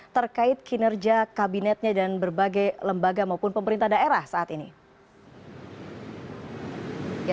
terkait kinerja kabinetnya dan berbagai lembaga maupun pemerintah daerah saat ini